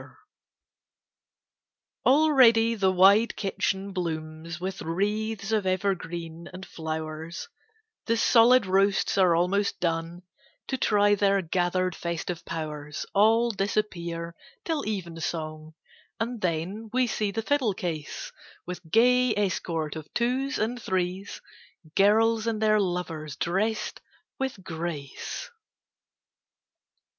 END OF HARDEST. Already the wide kitchen blooms With wreaths of evergreens and flowers, The solid roasts are almost done, To try their gathered festive powers. All disappear till evensong, And then we see the fiddle case, With gay escort of twos and threes, Girls and their lovers drest with grace.